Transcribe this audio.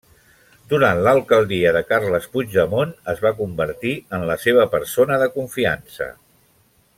Durant l'alcaldia de Carles Puigdemont es va convertir en la seva persona de confiança.